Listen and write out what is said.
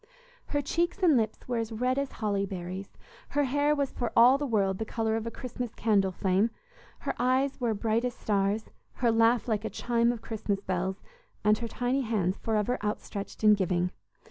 Her cheeks and lips were as red as holly berries; her hair was for all the world the color of a Christmas candle flame; her eyes were bright as stars; her laugh like a chime of Christmas bells, and her tiny hands forever outstretched in giving.